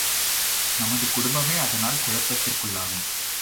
நமது குடும்பமே அதனால் குழப்பத்திற்குள்ளாகும்.